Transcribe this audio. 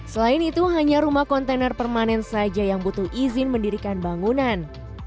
selain itu hanya rumah kontainer permanen saja yang butuh izin mendirikan bangunan